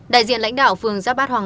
đại diện lãnh đạo phương giáp bát hoàng